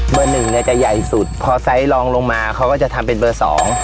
หนึ่งเนี้ยจะใหญ่สุดพอไซส์ลองลงมาเขาก็จะทำเป็นเบอร์สอง